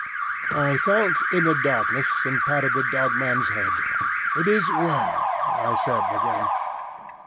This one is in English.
I felt in the darkness, and patted the Dog man's head. "It is well," I said again.